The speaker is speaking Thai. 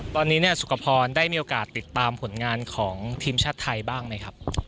ตอนนี้สุขพรได้มีโอกาสติดตามผลงานของทีมชาติไทยบ้างไหมครับ